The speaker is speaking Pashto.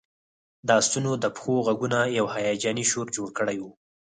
د آسونو د پښو غږونو یو هیجاني شور جوړ کړی و